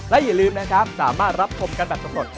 และอย่าลืมนะครับสามารถรับชมกันแบบสำรวจ